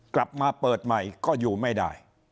กลับมาเปิดใหม่ก็อยู่ไม่ได้